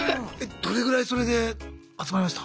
どれぐらいそれで集まりました？